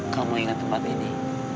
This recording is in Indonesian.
kau mau ingat tempat ini